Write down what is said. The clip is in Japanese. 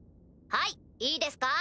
はいいいですか。